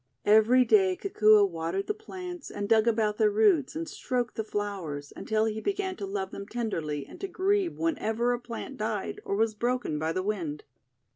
Every day Kikuo watered the plants, and dug about their roots, and stroked the flowers, until he began to love them tenderly and to grieve 48 THE WONDER GARDEN whenever a plant died or was broken by the wind.